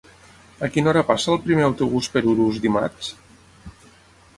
A quina hora passa el primer autobús per Urús dimarts?